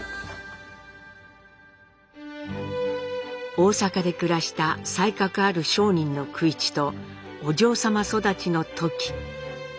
大阪で暮らした才覚ある商人の九一とお嬢様育ちのトキ。